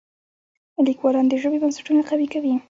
لیکوالان د ژبې بنسټونه قوي کوي.